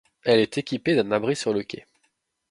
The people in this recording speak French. Elle est équipée d'un abri sur le quai.